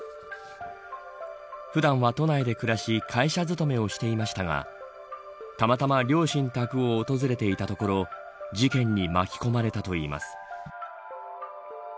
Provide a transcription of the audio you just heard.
普段は都内で暮らし会社勤めをしていましたがたまたま両親宅を訪れていたところ事件に巻き込まれたといいます。